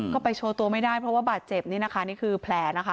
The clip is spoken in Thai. ก็ไปโชว์ตัวไม่ได้เพราะว่าบาดเจ็บนี่นะคะนี่คือแผลนะคะ